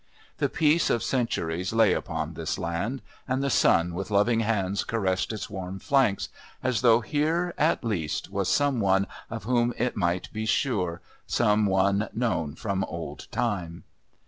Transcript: The peace of centuries lay upon this land, and the sun with loving hands caressed its warm flanks as though here, at least, was some one of whom it might be sure, some one known from old time.